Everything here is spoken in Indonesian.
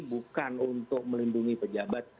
bukan untuk melindungi pejabat